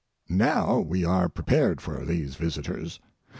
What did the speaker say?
Now we are prepared for these visitors.